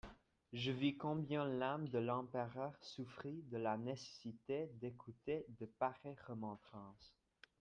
Je vis combien l'âme de l'empereur souffrit de la nécessité d'écouter de pareilles remontrances.